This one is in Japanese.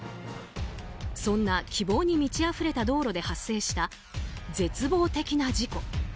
そんな希望に満ちあふれた道路で発生した絶望的な事故。